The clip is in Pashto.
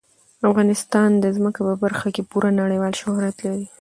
افغانستان د ځمکه په برخه کې پوره نړیوال شهرت لري.